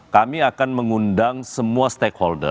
kami akan mengundang semua stakeholder